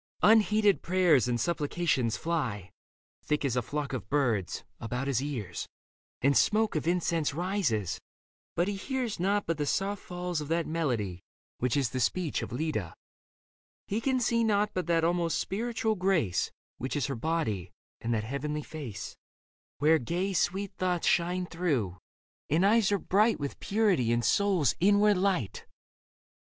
Unheeded prayers and supplications fly. Thick as a flock of birds, about his ears, And smoke of incense rises ; but he hears Nought but the soft falls of that melody Which is the speech of Leda ; he can see Nought but that almost spiritual grace Which is her body, and that heavenly face Where gay, sweet thoughts shine through, and eyes are bright Leda i i With purity and the soul's inward light.